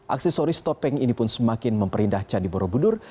aksesoris topeng ini pun semakin memperindah candi borobudur